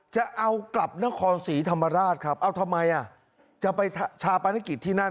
จะเอากลับนครศรีธรรมราชครับเอาทำไมอ่ะจะไปชาปนกิจที่นั่น